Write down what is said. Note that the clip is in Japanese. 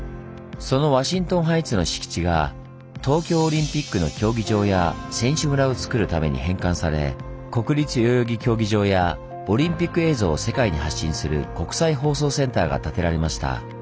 そのワシントンハイツの敷地が東京オリンピックの競技場や選手村を造るために返還され国立代々木競技場やオリンピック映像を世界に発信する国際放送センターが建てられました。